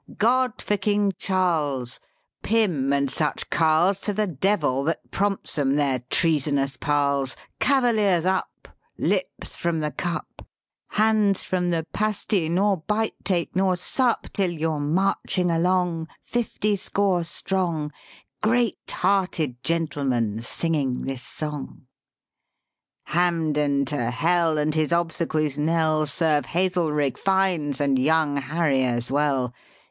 II God for King Charles! Pym and such carles To the Devil that prompts 'em their treasonous paries ! Cavaliers, up! Lips from the cup, Hands from the pasty, nor bite take nor sup Till you're (Chorus) Marching along, fifty score strong, Great hearted gentlemen, singing this song. Ill Hampden to hell, and his obsequies' knell Serve Hazelrig, Fiennes, and young Harry as well